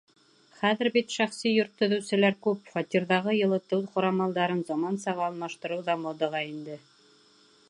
— Хәҙер бит шәхси йорт төҙөүселәр күп, фатирҙағы йылытыу ҡорамалдарын замансаға алмаштырыу ҙа модаға инде.